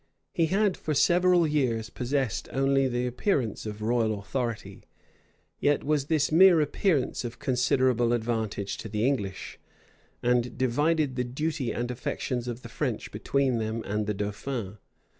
He had for several years possessed only the appearance of royal authority: yet was this mere appearance of considerable advantage to the English; and divided the duty and affections of the French between them and the dauphin.